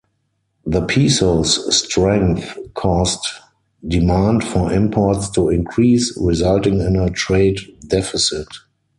The peso's strength caused demand for imports to increase, resulting in a trade deficit.